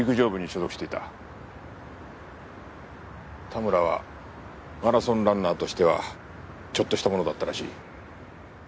田村はマラソンランナーとしてはちょっとしたものだったらしい。